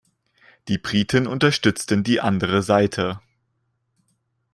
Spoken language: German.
Die Briten unterstützten die andere Seite.